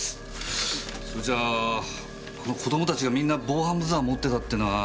それじゃあ子供たちがみんな防犯ブザー持ってたってのは。